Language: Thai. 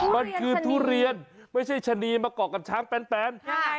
มันคือทุเรียนไม่ใช่ชะนีมาเกาะกับช้างแปน